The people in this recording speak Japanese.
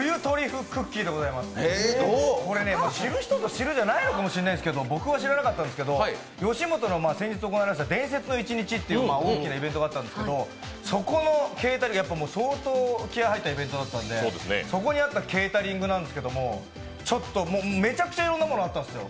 これ知る人ぞ知るかもしれないですけど僕が知らなかったんですけど、吉本の先日行われました「伝説の一日」っていう大きなイベントがあったんですけど相当、気合い入ったイベントだったので、そこにあったケータリングなんですけど、めちゃくちゃいろんなものがあったんですよ。